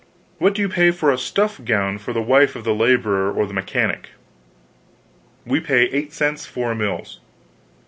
What do you pay for a stuff gown for the wife of the laborer or the mechanic?" "We pay eight cents, four mills."